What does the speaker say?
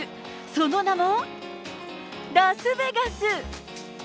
その名も、ラスベガス。